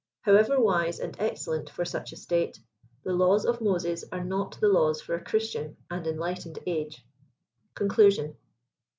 How ever wise and excellent for such a state, the laws of Moses are not the laws for a Christian and enlightened age. CONCLUSION.